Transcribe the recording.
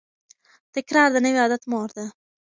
تکرار د نوي عادت مور ده.